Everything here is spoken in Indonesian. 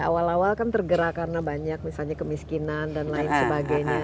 awal awal kan tergerak karena banyak misalnya kemiskinan dan lain sebagainya